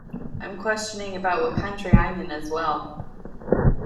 I'm questioning about what country I'm in as well.